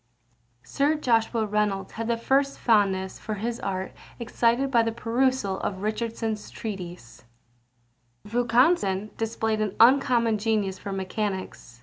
Sir Joshua Reynolds had the first fondness for his art excited by the perusal of Richardson's Treatise. Vaucanson displayed an uncommon genius for mechanics.